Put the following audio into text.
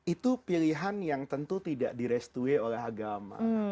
itu pilihan yang tentu tidak direstui oleh agama